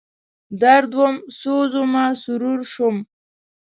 درد وم، سوز ومه، سرور شوم